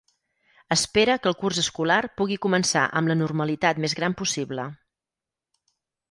Espera que el curs escolar pugui començar amb la normalitat més gran possible.